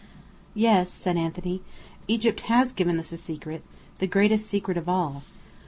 "Yes," said Anthony, "Egypt has given us a secret: the greatest secret of all.